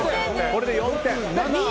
これで４点。